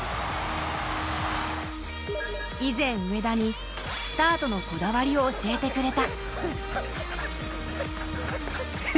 以前、上田に、スタートのこだわりを教えてくれた。